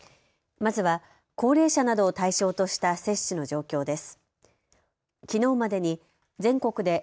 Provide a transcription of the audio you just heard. まずは高齢者などを対象とした接種の状況です。